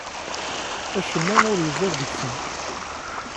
Acemma ur izad deg-sen.